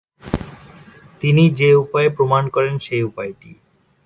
তিনি যে উপায়ে প্রমাণ করেন সেই উপায়টি।